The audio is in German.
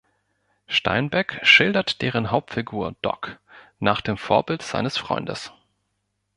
Steinbeck schildert deren Hauptfigur Doc nach dem Vorbild seines Freundes.